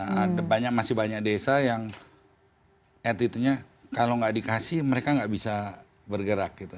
ada banyak masih banyak desa yang attitudenya kalau gak dikasih mereka gak bisa bergerak gitu